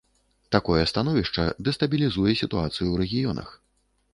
Такое становішча дэстабілізуе сітуацыю ў рэгіёнах.